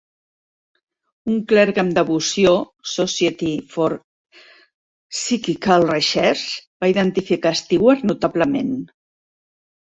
Un clergue amb devoció, Society for Psychical Research va identificar Steward notablement.